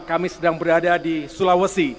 kami sedang berada di sulawesi